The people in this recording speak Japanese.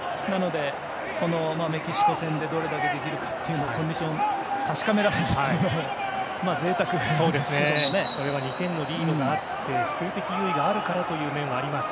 このメキシコ戦でどれだけできるかがコンディションを確かめられるというのもそれは２点リードと数的優位があるからという面はあります。